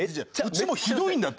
うちもひどいんだって。